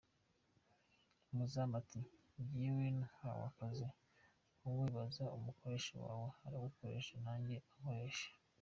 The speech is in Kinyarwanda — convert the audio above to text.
Umuzamu ati “Njyewe nahawe akazi, wowe baza umukoresha wawe, aragukoresha nanjye akankoresha.